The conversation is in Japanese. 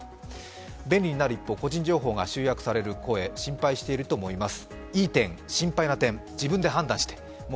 便利になる一方、個人情報が集約される声心配していると思います。